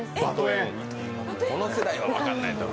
この世代は分からないかな。